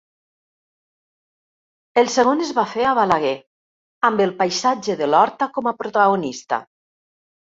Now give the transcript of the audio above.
El segon es va fer a Balaguer, amb el paisatge de l'horta com a protagonista.